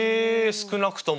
「少なくとも」。